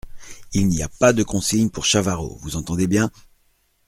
Il n’y a pas de consigne pour Chavarot, vous entendez bien ?